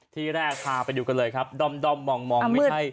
ที่แรกพาไปดูกันเลยครับด้อมมองไม่ใช่